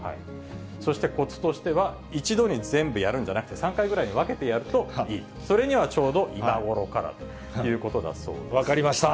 そして、こつとしては、一度に全部やるんじゃなくて、３回ぐらいに分けてやるといいと、それにはちょうど今ごろからということだそうです。